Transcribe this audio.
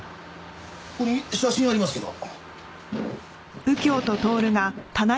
ここに写真ありますけど。